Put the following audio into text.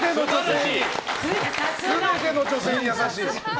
全ての女性に優しい！